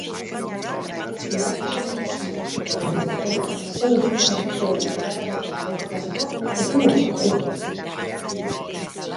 Idazkari nagusiak erantzun zuen sei hizkuntza ofizialen erabateko parekotasuna ezinezkoa zela.